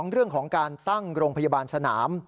เรื่องของการตั้งโรงพยาบาลสนาม